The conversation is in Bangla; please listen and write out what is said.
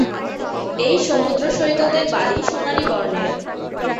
এই সমুদ্র সৈকতের বালি সোনালী বর্ণের।